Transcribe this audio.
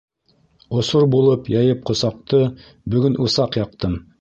Осор булып, йәйеп ҡосаҡты: Бөгөн усаҡ яҡтым.